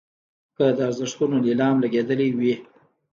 که د ارزښتونو نیلام لګېدلی وي.